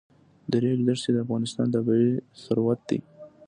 د ریګ دښتې د افغانستان طبعي ثروت دی.